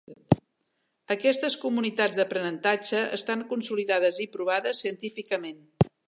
Aquestes comunitats d’aprenentatge estan consolidades i provades científicament.